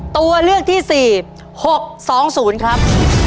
ตัวเลือกที่๔๖๒๐ครับ